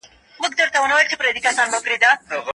کاش دا ډول اثار ډېر شي.